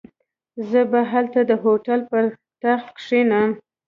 زه به هلته د هوټل پر تخت کښېنم.